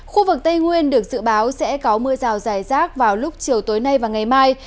khu vực tây nguyên được dự báo sẽ có mưa rào dài rác vào lúc chiều tối nay và ngày mai